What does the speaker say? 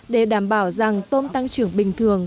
để đảm bảo rằng tôm tăng trưởng bình thường